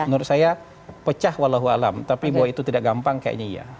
menurut saya pecah walau alam tapi bahwa itu tidak gampang kayaknya iya